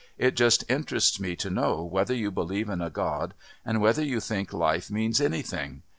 It just interests me to know whether you believe in a God and whether you think life means anything.